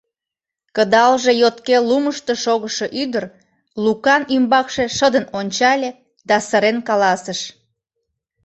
Кыдалже йотке лумышто шогышо ӱдыр Лукан ӱмбакше шыдын ончале да сырен каласыш: